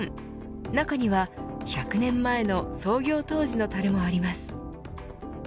中には１００年前の創業当時のたるもあります。